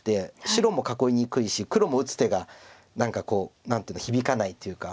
白も囲いにくいし黒も打つ手が何か響かないというか。